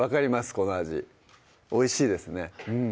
この味おいしいですねうん